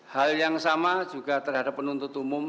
hal yang sama juga terhadap penuntut umum